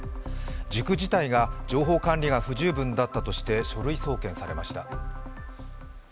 塾自体が情報管理が不十分だったとして書類送検されました。